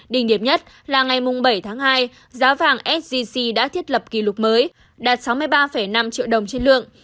đình điểm nhất là ngày bảy tháng hai giá vàng sgc đã thiết lập kỷ lục mới đạt sáu mươi ba năm triệu đồng trên lượng